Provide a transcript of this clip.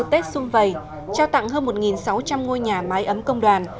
tết xung vầy trao tặng hơn một sáu trăm linh ngôi nhà mái ấm công đoàn